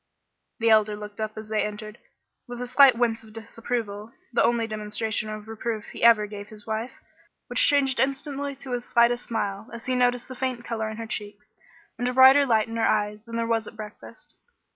The Elder looked up as they entered, with a slight wince of disapproval, the only demonstration of reproof he ever gave his wife, which changed instantly to as slight a smile, as he noticed the faint color in her cheek, and a brighter light in her eyes than there was at breakfast.